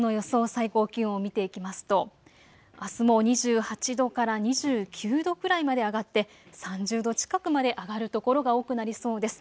最高気温を見ていきますとあすも２８度から２９度くらいまで上がって３０度近くまで上がる所が多くなりそうです。